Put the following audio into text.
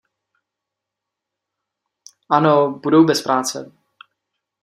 Ano, budou bez práce.